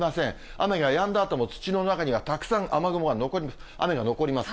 雨がやんだあとも土の中にはたくさん雨が残ります。